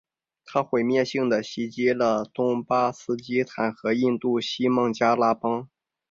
它毁灭性地袭击了东巴基斯坦和印度西孟加拉邦。